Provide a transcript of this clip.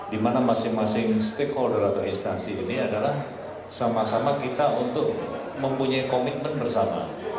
dimana masing masing stakeholder atau instansi ini adalah sama sama kita untuk mempunyai komitmen bersama